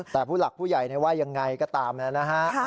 แต่ผู้หลักผู้ใหญ่ว่ายังไงก็ตามแล้วนะฮะ